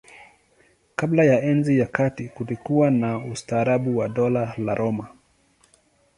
Kabla ya Enzi ya Kati kulikuwa na ustaarabu wa Dola la Roma.